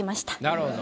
なるほど。